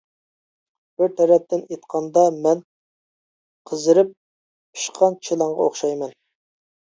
بىر تەرەپتىن ئېيتقاندا مەن قىزىرىپ پىشقان چىلانغا ئوخشايمەن.